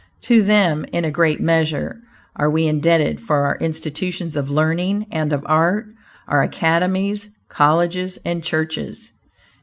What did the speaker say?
To them, in a great measure, are we indebted for our institutions of learning and of art, our academies, colleges and churches.